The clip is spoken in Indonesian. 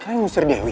kalian ngusir dewi